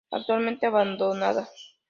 Actualmente abandonada.